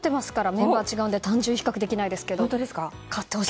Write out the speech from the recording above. メンバーが違うので単純比較できないですけど勝ってほしい。